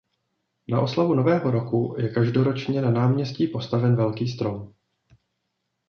Na oslavu Nového roku je každoročně na náměstí postaven velký strom.